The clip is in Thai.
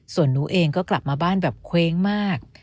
ส่วนหนูเองก็กลับมาบ้านแบบเคว้งมาก